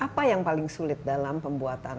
apa yang paling sulit dalam pembuatan